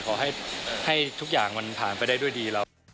ขอให้ทุกอย่างมันผ่านไปได้ด้วยดี